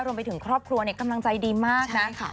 รวมไปถึงครอบครัวกำลังใจดีมากนะ